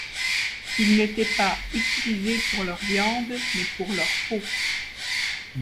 Ils n’étaient pas utilisés pour leur viande mais pour leur peau.